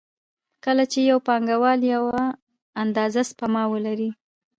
کله چې یو پانګوال یوه اندازه سپما ولري